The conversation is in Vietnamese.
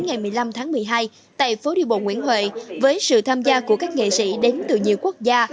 ngày một mươi năm tháng một mươi hai tại phố đi bộ nguyễn huệ với sự tham gia của các nghệ sĩ đến từ nhiều quốc gia